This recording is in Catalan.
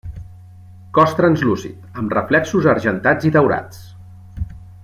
Cos translúcid, amb reflexos argentats i daurats.